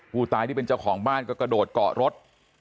ผู้ตายที่เป็นเจ้าของบ้านก็กระโดดเกาะรถ